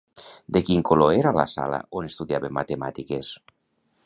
De quin color era la sala on estudiaven matemàtiques?